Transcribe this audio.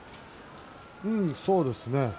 そうですね。